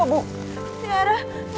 ibu kenapa bu